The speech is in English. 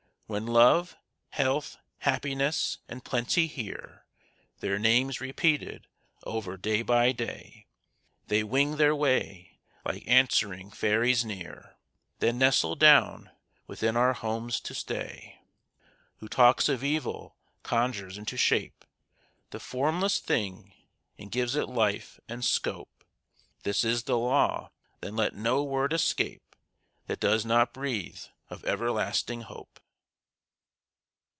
When love, health, happiness, and plenty hear Their names repeated over day by day, They wing their way like answering fairies near, Then nestle down within our homes to stay. Who talks of evil conjures into shape The formless thing and gives it life and scope. This is the law: then let no word escape That does not breathe of everlasting hope.